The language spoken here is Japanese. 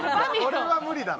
これは無理だろ。